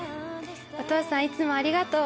お父さんいつもありがとう。